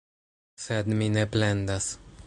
Sed mi ne plendas.